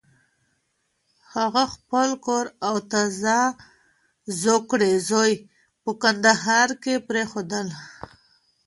هغه خپل کور او تازه زوکړی زوی په کندهار کې پرېښودل.